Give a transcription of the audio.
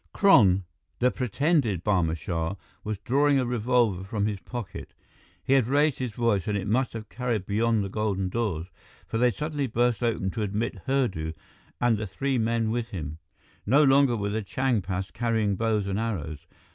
Kron, the pretended Barma Shah, was drawing a revolver from his pocket. He had raised his voice and it must have carried beyond the golden doors, for they suddenly burst open to admit Hurdu and the three men with him. No longer were the Changpas carrying bows and arrows.